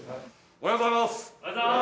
おはようございます。